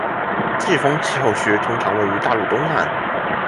季风气候区通常位于大陆东岸